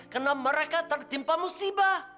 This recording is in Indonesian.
karena mereka tertimpa musibah